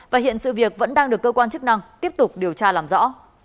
và hiện sự việc vẫn đang được cơ quan chức năng tiếp tục điều tra làm rõ